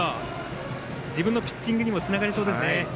自分のピッチングにもつながりそうですね。